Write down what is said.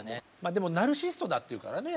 でもナルシストだっていうからね